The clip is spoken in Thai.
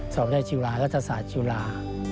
สอบได้จุฬารัฐศาสตร์จุฬา